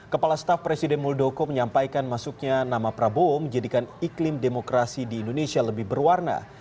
kepala staf presiden muldoko menyampaikan masuknya nama prabowo menjadikan iklim demokrasi di indonesia lebih berwarna